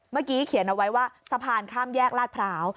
เมื่อกี้เขียนเอาไว้ว่าสะพานข้ามแยกลาดพร้าว